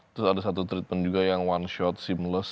terus ada satu treatment juga yang one shot simless